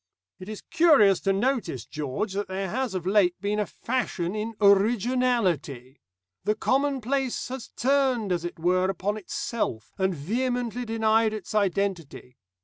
"It is curious to notice, George, that there has of late been a fashion in 'originality.' The commonplace has turned, as it were, upon itself, and vehemently denied its identity.